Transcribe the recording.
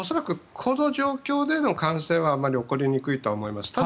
この状況での感染は考えにくいと思います。